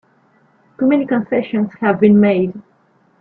Too many concessions have been made!